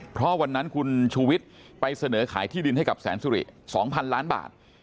เพราะวันนั้นคุณชูวิทย์ไปเสนอขายที่ดินให้กับแสนสุริ๒๐๐๐ล้านบาท